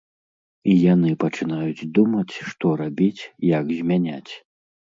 І яны пачынаюць думаць, што рабіць, як змяняць?